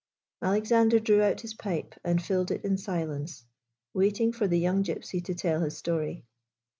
Alexander drew out his pipe and filled it in silence, waiting for the young Gypsy to tell his story.